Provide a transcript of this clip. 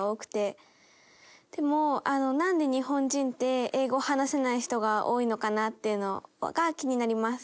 でもなんで日本人って英語を話せない人が多いのかなっていうのが気になります。